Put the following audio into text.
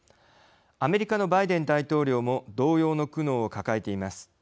アメリカのバイデン大統領も同様の苦悩を抱えています。